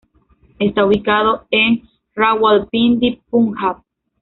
Está ubicado en Rawalpindi, Punjab.